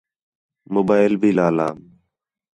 موبائل بھی لا لام